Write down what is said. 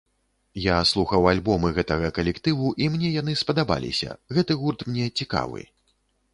Я слухаў альбомы гэтага калектыву, і мне яны спадабаліся, гэты гурт мне цікавы.